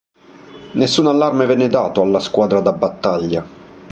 Nessun allarme venne dato alla squadra da battaglia.